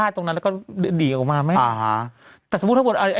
ตรงนั้นแล้วก็เดี๋ยวดีออกมาไหมอ่าฮะแต่สมมุติถ้าบ่วนไอ้